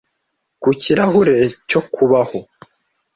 ku kirahure cyo kubaho